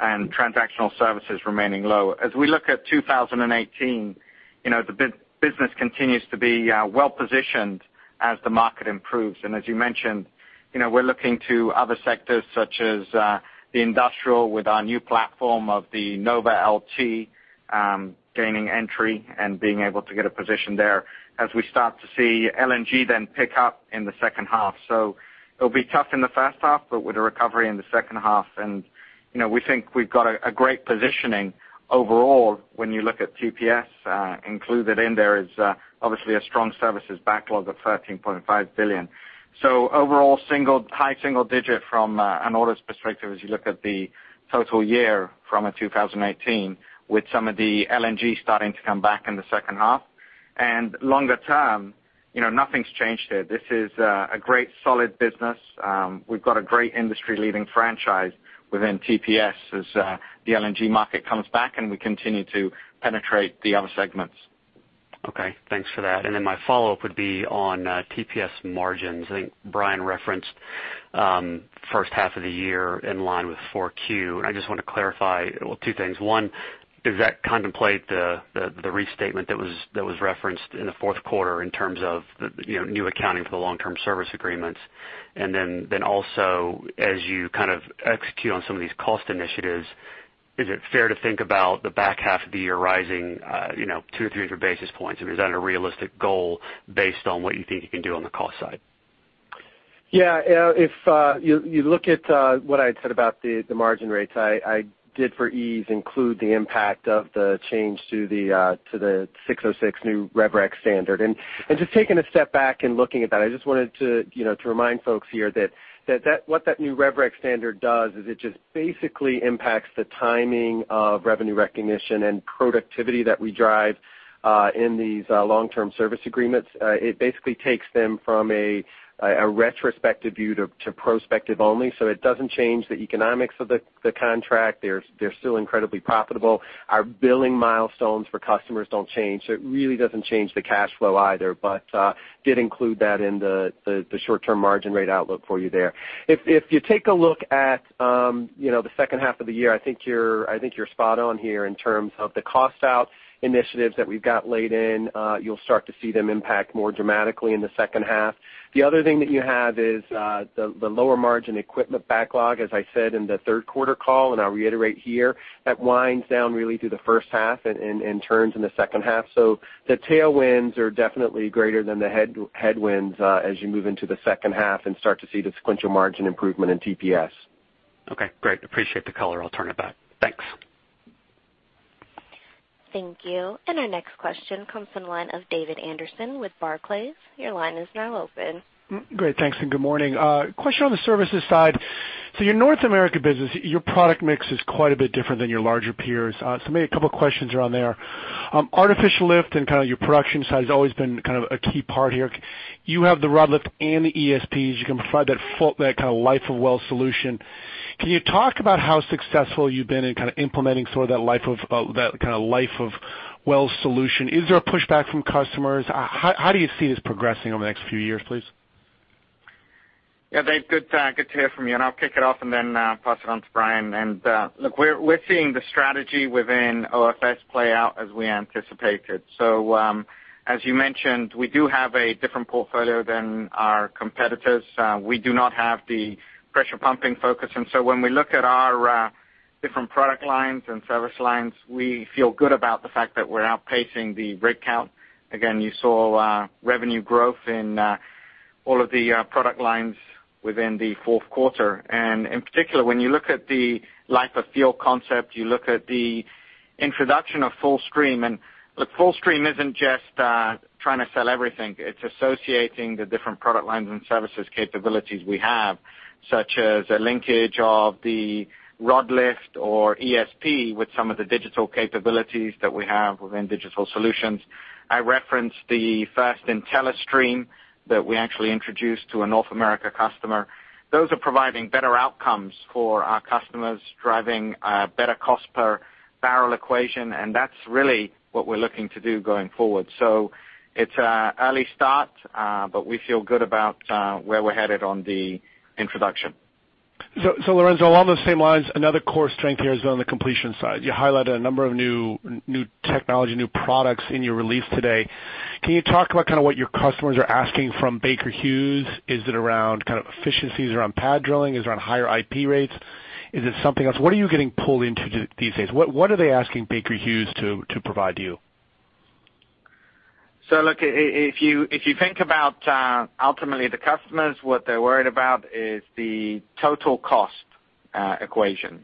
and transactional services remaining low. As we look at 2018, the business continues to be well-positioned as the market improves. As you mentioned, we're looking to other sectors such as the industrial with our new platform of the NovaLT gaining entry and being able to get a position there as we start to see LNG pick up in the second half. It'll be tough in the first half, but with a recovery in the second half. We think we've got a great positioning overall when you look at TPS. Included in there is obviously a strong services backlog of $13.5 billion. Overall, high single digit from an orders perspective as you look at the total year from a 2018, with some of the LNG starting to come back in the second half. Longer term, nothing's changed here. This is a great solid business. We've got a great industry-leading franchise within TPS as the LNG market comes back, and we continue to penetrate the other segments. Okay, thanks for that. My follow-up would be on TPS margins. I think Brian referenced first half of the year in line with 4Q. I just want to clarify, well, two things. One, does that contemplate the restatement that was referenced in the fourth quarter in terms of new accounting for the long-term service agreements? Also, as you kind of execute on some of these cost initiatives, is it fair to think about the back half of the year rising 200-300 basis points? Is that a realistic goal based on what you think you can do on the cost side? Yeah. If you look at what I had said about the margin rates, I did for ease include the impact of the change to the 606 new rev rec standard. Taking a step back and looking at that, I just wanted to remind folks here that what that new rev rec standard does is it just basically impacts the timing of revenue recognition and productivity that we drive in these long-term service agreements. It basically takes them from a retrospective view to prospective only. It doesn't change the economics of the contract. They're still incredibly profitable. Our billing milestones for customers don't change, so it really doesn't change the cash flow either, but did include that in the short-term margin rate outlook for you there. If you take a look at the second half of the year, I think you're spot on here in terms of the cost out initiatives that we've got laid in. You'll start to see them impact more dramatically in the second half. The other thing that you have is the lower margin equipment backlog, as I said in the third quarter call, and I'll reiterate here, that winds down really through the first half and turns in the second half. The tailwinds are definitely greater than the headwinds as you move into the second half and start to see the sequential margin improvement in TPS. Okay, great. Appreciate the color. I'll turn it back. Thanks. Thank you. Our next question comes from the line of David Anderson with Barclays. Your line is now open. Great. Thanks, and good morning. Question on the services side. Your North America business, your product mix is quite a bit different than your larger peers. Maybe a couple of questions around there. Artificial lift and kind of your production side has always been kind of a key part here. You have the rod lift and the ESPs. You can provide that kind of life of well solution. Can you talk about how successful you've been in kind of implementing sort of that kind of life of well solution? Is there a pushback from customers? How do you see this progressing over the next few years, please? Yeah, Dave, good to hear from you. I'll kick it off and then pass it on to Brian. Look, we're seeing the strategy within OFS play out as we anticipated. As you mentioned, we do have a different portfolio than our competitors. We do not have the pressure pumping focus. When we look at our different product lines and service lines, we feel good about the fact that we're outpacing the rig count. Again, you saw revenue growth in all of the product lines within the fourth quarter. In particular, when you look at the life of field concept, you look at the introduction of Fullstream. Look, Fullstream isn't just trying to sell everything. It's associating the different product lines and services capabilities we have, such as a linkage of the rod lift or ESP with some of the digital capabilities that we have within digital solutions. I referenced the first IntelliStream that we actually introduced to a North America customer. Those are providing better outcomes for our customers, driving a better cost per barrel equation. That's really what we're looking to do going forward. It's an early start, but we feel good about where we're headed on the introduction. Lorenzo, along those same lines, another core strength here is on the completion side. You highlighted a number of new technology, new products in your release today. Can you talk about kind of what your customers are asking from Baker Hughes? Is it around kind of efficiencies around pad drilling? Is it around higher IP rates? Is it something else? What are you getting pulled into these days? What are they asking Baker Hughes to provide you? Look, if you think about ultimately the customers, what they're worried about is the total cost equation.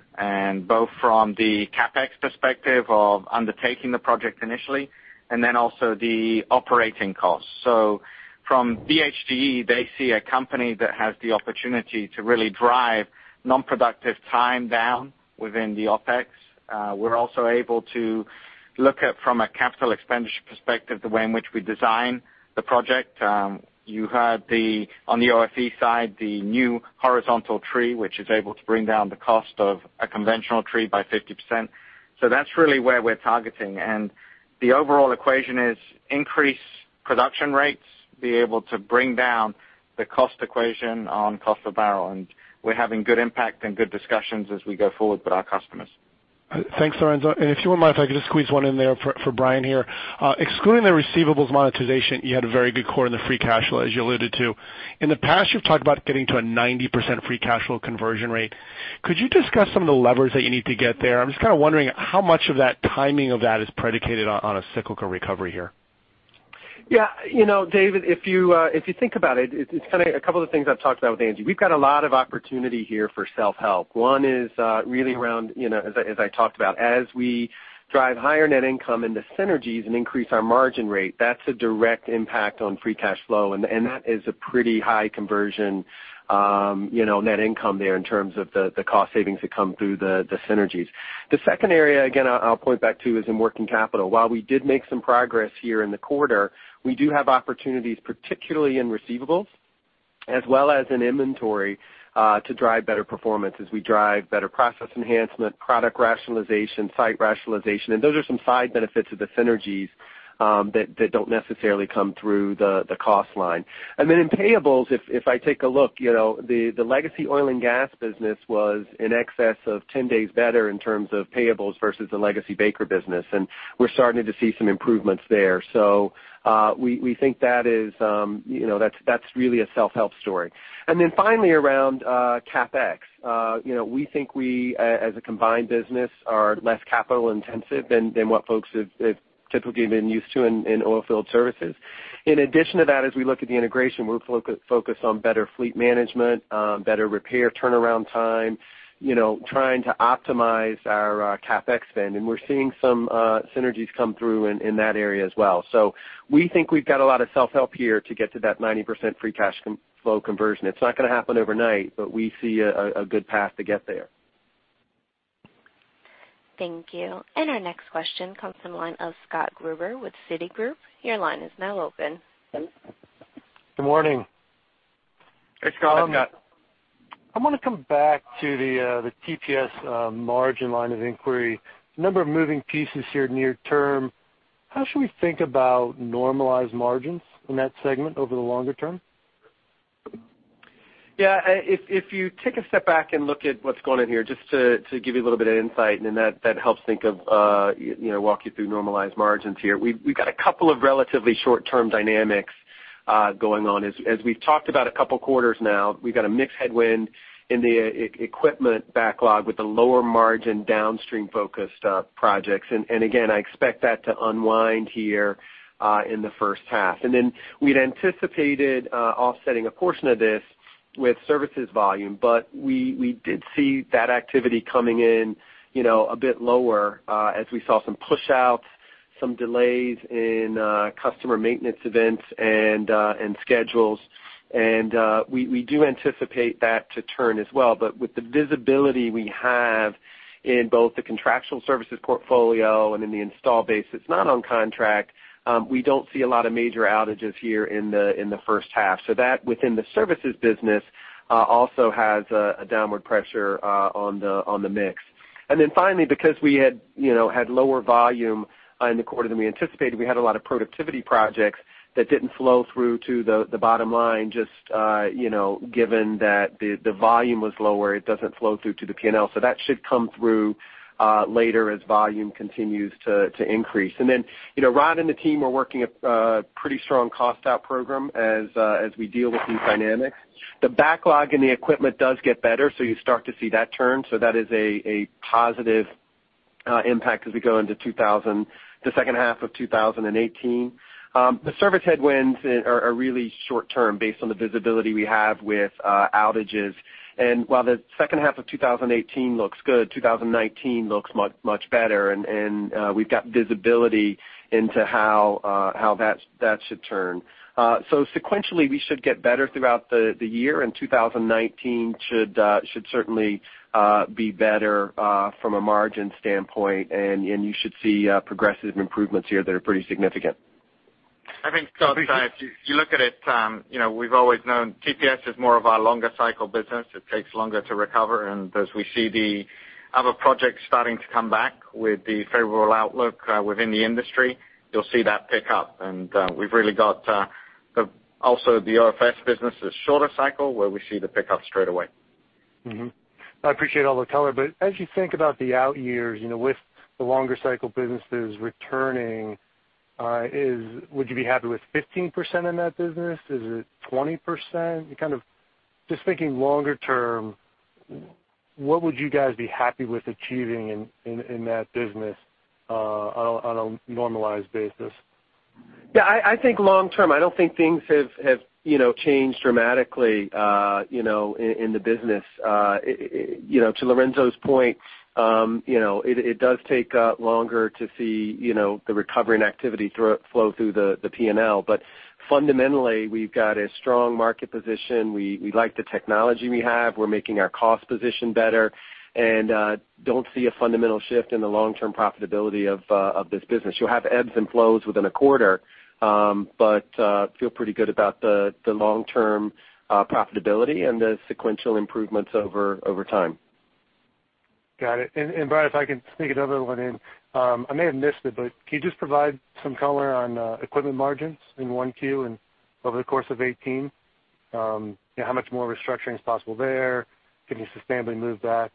Both from the CapEx perspective of undertaking the project initially, and then also the operating costs. From BHGE, they see a company that has the opportunity to really drive non-productive time down within the OpEx. We're also able to look at from a capital expenditure perspective, the way in which we design the project. You had on the OFE side, the new horizontal tree, which is able to bring down the cost of a conventional tree by 50%. That's really where we're targeting. The overall equation is increase production rates, be able to bring down the cost equation on cost of barrel. We're having good impact and good discussions as we go forward with our customers. Thanks, Lorenzo. If you wouldn't mind, if I could just squeeze one in there for Brian here. Excluding the receivables monetization, you had a very good core in the free cash flow, as you alluded to. In the past, you've talked about getting to a 90% free cash flow conversion rate. Could you discuss some of the levers that you need to get there? I'm just kind of wondering how much of that timing of that is predicated on a cyclical recovery here. Yeah. David, if you think about it's a couple of things I've talked about with Angie. We've got a lot of opportunity here for self-help. One is really around, as I talked about, as we drive higher net income into synergies and increase our margin rate, that's a direct impact on free cash flow. That is a pretty high conversion net income there in terms of the cost savings that come through the synergies. The second area, again, I'll point back to, is in working capital. While we did make some progress here in the quarter, we do have opportunities, particularly in receivables as well as in inventory, to drive better performance as we drive better process enhancement, product rationalization, site rationalization. Those are some side benefits of the synergies that don't necessarily come through the cost line. In payables, if I take a look, the legacy oil and gas business was in excess of 10 days better in terms of payables versus the legacy Baker business. We're starting to see some improvements there. We think that's really a self-help story. Finally, around CapEx. We think we, as a combined business, are less capital intensive than what folks have typically been used to in Oilfield Services. In addition to that, as we look at the integration, we're focused on better fleet management, better repair turnaround time, trying to optimize our CapEx spend. We're seeing some synergies come through in that area as well. We think we've got a lot of self-help here to get to that 90% free cash flow conversion. It's not going to happen overnight, but we see a good path to get there. Thank you. Our next question comes from the line of Scott Gruber with Citigroup. Your line is now open. Good morning. Hey, Scott. I want to come back to the TPS margin line of inquiry. A number of moving pieces here near term. How should we think about normalized margins in that segment over the longer term? Yeah. If you take a step back and look at what's going on here, just to give you a little bit of insight, that helps walk you through normalized margins here. We've got a couple of relatively short-term dynamics going on. As we've talked about a couple of quarters now, we've got a mix headwind in the equipment backlog with the lower margin downstream focused projects. Again, I expect that to unwind here in the first half. We'd anticipated offsetting a portion of this with services volume. We did see that activity coming in a bit lower as we saw some pushouts, some delays in customer maintenance events and schedules. We do anticipate that to turn as well. With the visibility we have in both the contractual services portfolio and in the install base that's not on contract, we don't see a lot of major outages here in the first half. That within the services business also has a downward pressure on the mix. Finally, because we had lower volume in the quarter than we anticipated, we had a lot of productivity projects that didn't flow through to the bottom line, just given that the volume was lower, it doesn't flow through to the P&L. That should come through later as volume continues to increase. Rod and the team are working a pretty strong cost out program as we deal with these dynamics. The backlog in the equipment does get better, you start to see that turn. That is a positive impact as we go into the second half of 2018. The service headwinds are really short term based on the visibility we have with outages. While the second half of 2018 looks good, 2019 looks much better. We've got visibility into how that should turn. Sequentially, we should get better throughout the year and 2019 should certainly be better from a margin standpoint. You should see progressive improvements here that are pretty significant. I think, Scott, if you look at it, we've always known TPS is more of our longer cycle business. It takes longer to recover. As we see the other projects starting to come back with the favorable outlook within the industry, you'll see that pick up. We've really got also the OFS business is shorter cycle where we see the pickup straight away. I appreciate all the color. As you think about the out years, with the longer cycle businesses returning, would you be happy with 15% in that business? Is it 20%? Just thinking longer term, what would you guys be happy with achieving in that business on a normalized basis? Yeah, I think long term, I don't think things have changed dramatically in the business. To Lorenzo's point, it does take longer to see the recovery and activity flow through the P&L. Fundamentally, we've got a strong market position. We like the technology we have. We're making our cost position better and don't see a fundamental shift in the long-term profitability of this business. You'll have ebbs and flows within a quarter, but feel pretty good about the long-term profitability and the sequential improvements over time. Got it. Brian, if I can sneak another one in. I may have missed it, but can you just provide some color on equipment margins in 1Q and over the course of 2018? How much more restructuring is possible there? Can you sustainably move back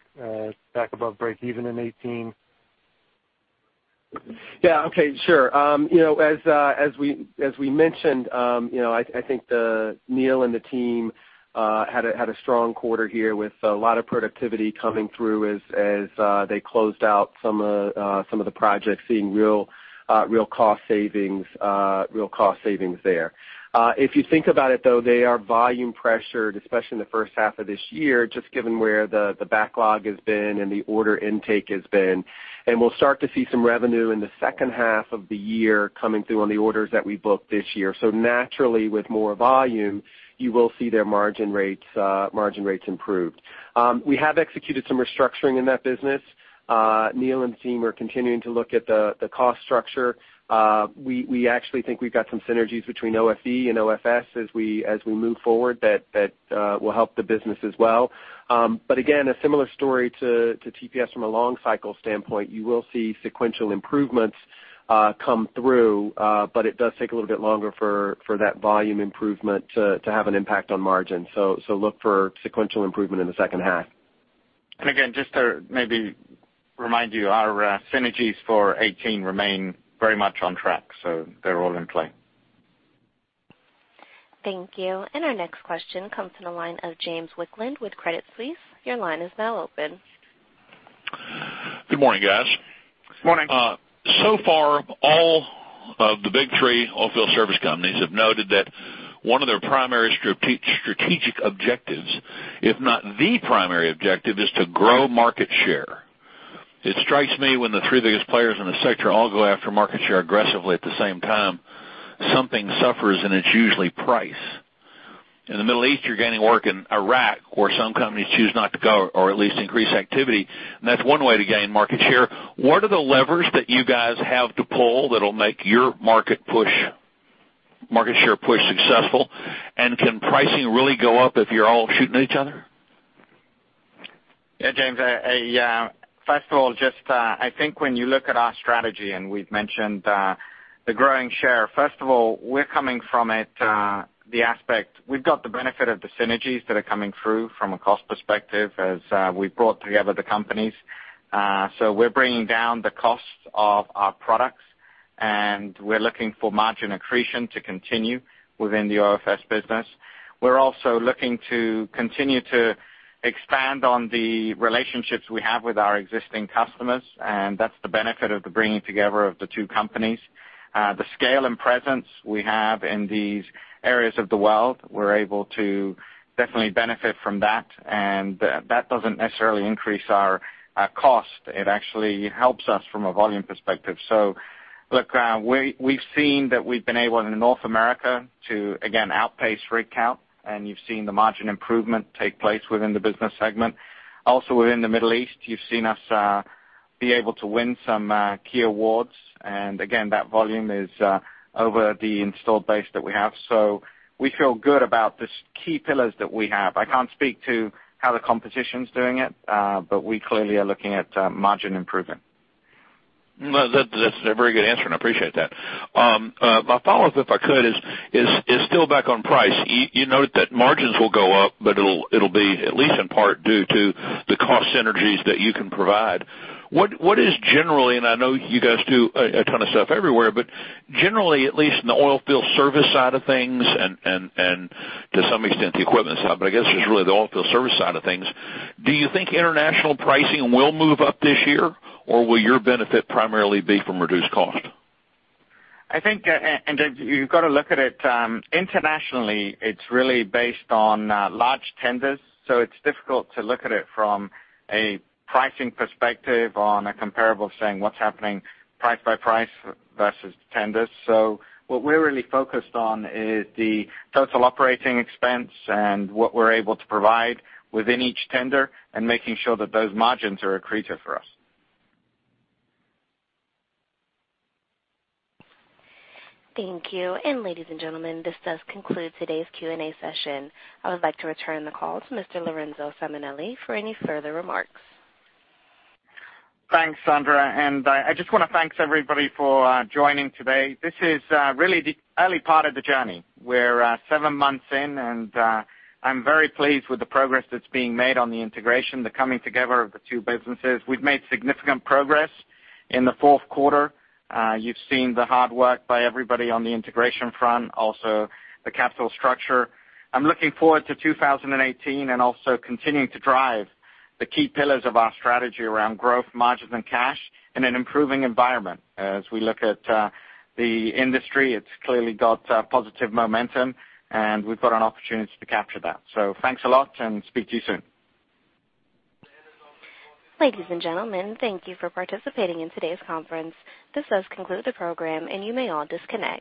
above breakeven in 2018? Yeah. Okay, sure. As we mentioned, I think Neil and the team had a strong quarter here with a lot of productivity coming through as they closed out some of the projects, seeing real cost savings there. If you think about it, though, they are volume pressured, especially in the first half of this year, just given where the backlog has been and the order intake has been. We'll start to see some revenue in the second half of the year coming through on the orders that we booked this year. Naturally, with more volume, you will see their margin rates improve. We have executed some restructuring in that business. Neil and team are continuing to look at the cost structure. We actually think we've got some synergies between OFE and OFS as we move forward that will help the business as well. Again, a similar story to TPS from a long cycle standpoint. You will see sequential improvements come through, but it does take a little bit longer for that volume improvement to have an impact on margin. Look for sequential improvement in the second half. Again, just to maybe remind you, our synergies for 2018 remain very much on track, so they're all in play. Thank you. Our next question comes from the line of James Wicklund with Credit Suisse. Your line is now open. Good morning, guys. Morning. So far, all of the big three oilfield service companies have noted that one of their primary strategic objectives, if not the primary objective, is to grow market share. It strikes me when the three biggest players in the sector all go after market share aggressively at the same time, something suffers, and it's usually price. In the Middle East, you're gaining work in Iraq, where some companies choose not to go or at least increase activity, and that's one way to gain market share. What are the levers that you guys have to pull that'll make your market share push successful? Can pricing really go up if you're all shooting at each other? Yeah, James. First of all, just I think when you look at our strategy, and we've mentioned the growing share. First of all, we're coming from it, the aspect. We've got the benefit of the synergies that are coming through from a cost perspective as we've brought together the companies. We're bringing down the cost of our products, and we're looking for margin accretion to continue within the OFS business. We're also looking to continue to expand on the relationships we have with our existing customers, and that's the benefit of the bringing together of the two companies. The scale and presence we have in these areas of the world, we're able to definitely benefit from that, and that doesn't necessarily increase our cost. It actually helps us from a volume perspective. Look, we've seen that we've been able in North America to, again, outpace rig count, and you've seen the margin improvement take place within the business segment. Also within the Middle East, you've seen us be able to win some key awards. Again, that volume is over the installed base that we have. We feel good about these key pillars that we have. I can't speak to how the competition's doing it. We clearly are looking at margin improvement. No, that's a very good answer, and I appreciate that. My follow-up, if I could, is still back on price. You noted that margins will go up, but it'll be at least in part due to the cost synergies that you can provide. What is generally, and I know you guys do a ton of stuff everywhere, but generally, at least in the Oilfield Services side of things and to some extent the oilfield equipment side, but I guess it's really the Oilfield Services side of things. Do you think international pricing will move up this year, or will your benefit primarily be from reduced cost? I think, and James, you've got to look at it internationally, it's really based on large tenders. It's difficult to look at it from a pricing perspective on a comparable saying what's happening price by price versus tenders. What we're really focused on is the total operating expense and what we're able to provide within each tender and making sure that those margins are accretive for us. Thank you. Ladies and gentlemen, this does conclude today's Q&A session. I would like to return the call to Mr. Lorenzo Simonelli for any further remarks. Thanks, Sandra. I just want to thanks everybody for joining today. This is really the early part of the journey. We're seven months in, and I'm very pleased with the progress that's being made on the integration, the coming together of the two businesses. We've made significant progress in the fourth quarter. You've seen the hard work by everybody on the integration front, also the capital structure. I'm looking forward to 2018 and also continuing to drive the key pillars of our strategy around growth, margins, and cash in an improving environment. As we look at the industry, it's clearly got positive momentum, and we've got an opportunity to capture that. Thanks a lot, and speak to you soon. Ladies and gentlemen, thank you for participating in today's conference. This does conclude the program, and you may all disconnect.